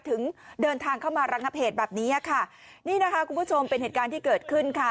ถึงเดินทางเข้ามาระงับเหตุแบบนี้ค่ะนี่นะคะคุณผู้ชมเป็นเหตุการณ์ที่เกิดขึ้นค่ะ